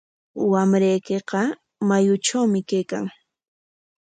Wamraykiqa mayutrawmi kaykan.